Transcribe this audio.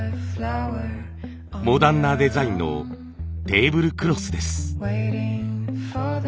モダンなデザインのテーブルクロスです。